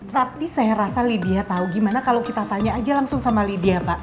tapi saya rasa lydia tau gimana kalau kita tanya aja langsung sama lydia pak